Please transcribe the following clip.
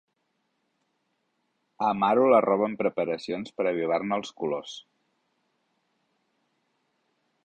Amaro la roba amb preparacions per avivar-ne els colors.